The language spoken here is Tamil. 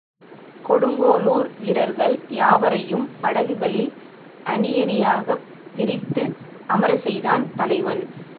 கொடுங்கோளூர் வீரர்கள் யாவரையும் படகுகளில் அணியணியாகப் பிரித்து அமரச்செய்தான் தலைவன்.